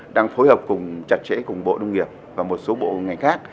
đang phối hợp cùng chặt chẽ cùng bộ nông nghiệp và một số bộ ngành khác